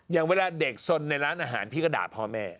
อย่างเวลาเด็กสนในร้านอาหารพี่ก็ด่าพ่อแม่